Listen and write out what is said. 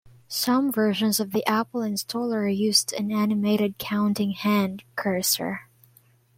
Some versions of the Apple Installer used an animated "counting hand" cursor.